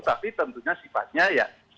tapi tentunya sifatnya ya